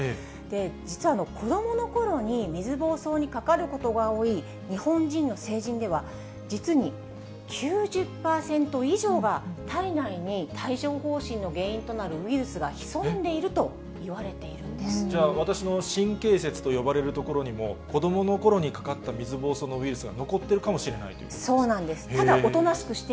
実は、子どものころに水ぼうそうにかかることが多い日本人の成人では、実に９０％以上が体内に帯状ほう疹の原因となるウイルスが潜んでじゃあ、私の神経節と呼ばれるところにも、子どものころにかかった水ぼうそうのウイルスが残ってるかもしれそうなんです。